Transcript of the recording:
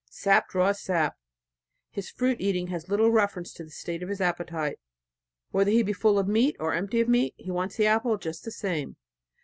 Sap draws sap. His fruit eating has little reference to the state of his appetite. Whether he be full of meat or empty of meat he wants the apple just the same.